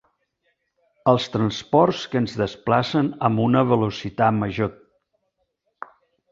Els transports que ens desplacen amb una velocitat major.